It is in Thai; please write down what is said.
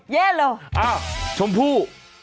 เย็นโล่เอ้าชมพู่